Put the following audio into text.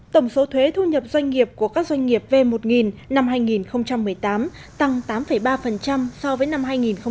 tổng số thuế thu nhập doanh nghiệp của các doanh nghiệp v một nghìn năm hai nghìn một mươi tám tăng tám ba so với năm hai nghìn một mươi bảy